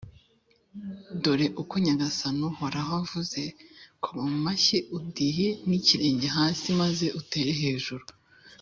Dore uko Nyagasani Uhoraho avuze: «Koma mu mashyi, udihe n’ikirenge hasi maze utere hejuru